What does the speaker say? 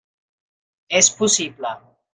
És possible.